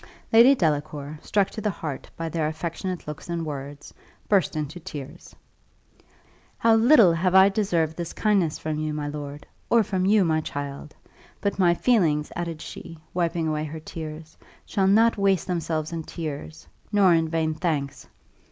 Lady Delacour, struck to the heart by their affectionate looks and words, burst into tears. "How little have I deserved this kindness from you, my lord! or from you, my child! But my feelings," added she, wiping away her tears, "shall not waste themselves in tears, nor in vain thanks.